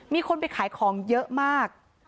มีคนไปขายของเยอะมาก